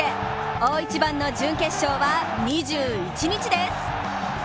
大一番の準決勝は２１日です。